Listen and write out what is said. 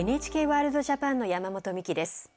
「ＮＨＫワールドＪＡＰＡＮ」の山本美希です。